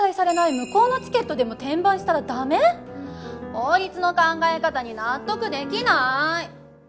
法律の考え方に納得できない。